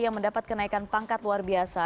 yang mendapat kenaikan pangkat luar biasa